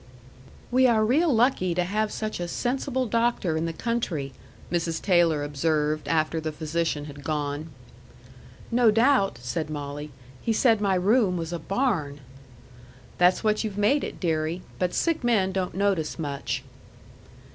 "We are real lucky to have such a sensible doctor in the country," Mrs. Taylor observed, after the physician had gone. "No doubt," said Molly. "He said my room was a barn." "That's what you've made it, deary. But sick men don't notice much."